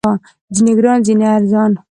ځینې ګران، ځینې ارزان